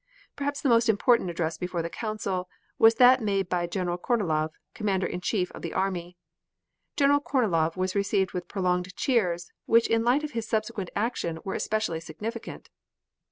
Perhaps the most important address before the Council was that made by General Kornilov, Commander in Chief of the army. General Kornilov was received with prolonged cheers, which in the light of his subsequent action were especially significant.